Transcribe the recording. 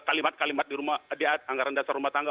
kalimat kalimat di anggaran dasar rumah tangga